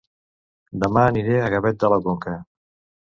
Dema aniré a Gavet de la Conca